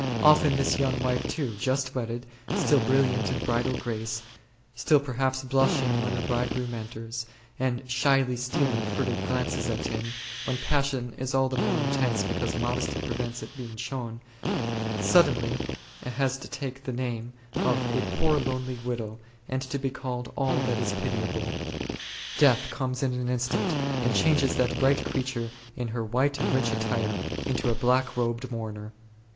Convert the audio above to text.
Often this young wife too, just wedded, still brilliant in bridal grace, still perhaps blushing when her bridegroom enters, and shyly stealing furtive glances at him, when passion is all the more intense because modesty prevents it being shown, suddenly has to take the name of a poor lonely widow and be called all that is pitiable. Death comes in an instant and changes that bright creature in her white and rich attire into a black robed mourner.